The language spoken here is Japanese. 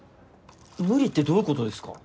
無理ってどういうことですか。